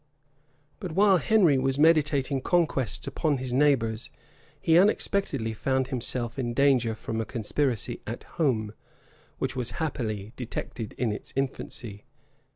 But while Henry was meditating conquests upon his neighbors, he unexpectedly found himself in danger from a conspiracy at home, which was happily detected in its infancy.